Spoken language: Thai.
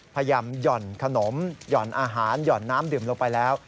พยายามหยอดขนมหยอดอาหารหยอดน้ำดื่มลงไปแล้ว